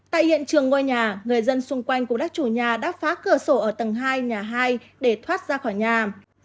tại hiện trường ngôi nhà người dân xung quanh cùng các chủ nhà đã phá cửa sổ ở tầng hai nhà hai để thoát ra khỏi nhà